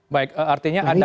baik artinya anda kendala